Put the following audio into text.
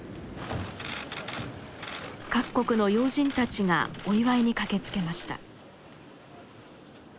各国の要人たちがお祝いに駆けつけました。